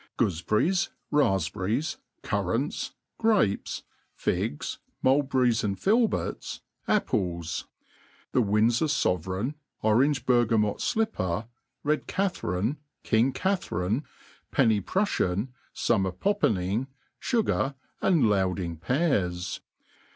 Goofeberries, rafpberries, currants, grapes, figs, mulberries and filberts, apples ; the Windfor fovereign, orange burgamot flipper, red Catharine, king Catharine, penny prufltan, fummer poppening, fugar, and louding pears.